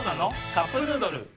「カップヌードル」